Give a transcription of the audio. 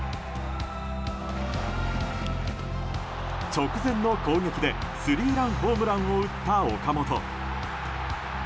直前の攻撃でスリーランホームランを打った岡本。